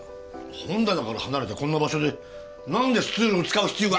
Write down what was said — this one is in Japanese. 本棚から離れたこんな場所でなんでスツールを使う必要がある。